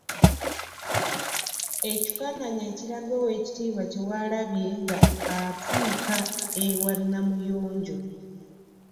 Ekifaananyi ekiraga Oweekitiibwa Kyewalabye nga atuuka ewa Namuyonjo.